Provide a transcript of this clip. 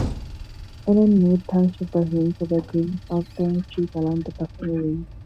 Elmwood Township was named for the groves of elm trees along the Buffalo River.